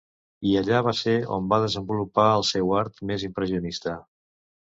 I allà va ser on va desenvolupar el seu art més impressionista.